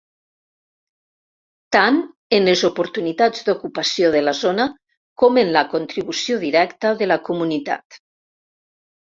Tant en les oportunitats d'ocupació de la zona com en la contribució directa de la comunitat.